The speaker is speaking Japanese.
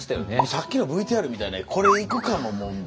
さっきのＶＴＲみたいな「コレ行くか？」ももう。